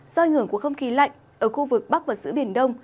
do ảnh hưởng của không khí lạnh ở khu vực bắc và giữa biển đông